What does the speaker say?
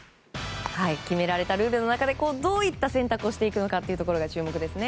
決められたルールの中でどういった選択をしていくのかが注目ですね。